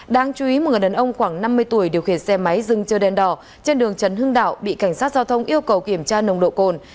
đáng chú ý một người đàn ông khoảng năm mươi tuổi điều khiển xe máy dưng chơ đen đỏ trên đường trấn hưng đạo bị cảnh sát giao thông yêu cầu kiểm tra nồng độ cồn